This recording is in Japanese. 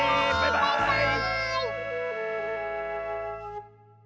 バイバーイ！